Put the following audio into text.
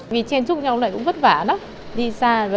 vì trên chung nhau lại cũng vất vả đó